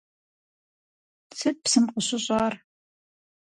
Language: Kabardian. Сыт псым къыщыщӀар?